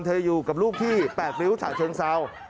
เธออยู่กับลูกพี่แปดริ้วสาเชิงเซา